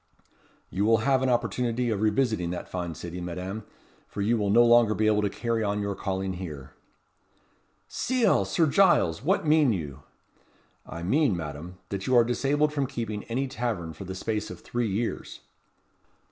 "You will have an opportunity of revisiting that fine city, Madame; for you will no longer be able to carry on your calling here." "Ciel! Sir Giles! what mean you?" "I mean, Madame, that you are disabled from keeping any tavern for the space of three years."